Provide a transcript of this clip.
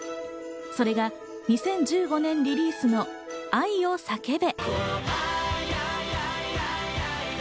それが２０１５年リリースの『愛を叫べ』。